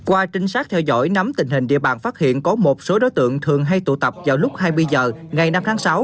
qua trinh sát theo dõi nắm tình hình địa bàn phát hiện có một số đối tượng thường hay tụ tập vào lúc hai mươi h ngày năm tháng sáu